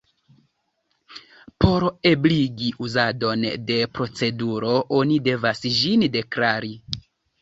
Por ebligi uzadon de proceduro oni devas ĝin "deklari".